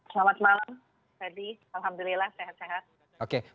selamat malam fedy alhamdulillah sehat sehat